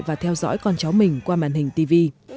và theo dõi con cháu mình qua màn hình tv